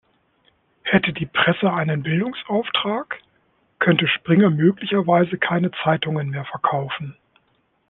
Hätte die Presse einen Bildungsauftrag, könnte Springer möglicherweise keine Zeitungen mehr verkaufen.